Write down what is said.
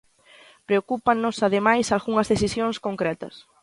Preocúpannos ademais algunhas decisións concretas.